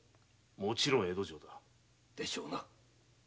むろん江戸城だ。でしょうな。